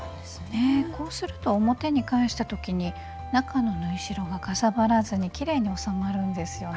こうすると表に返した時に中の縫い代がかさばらずにきれいに収まるんですよね。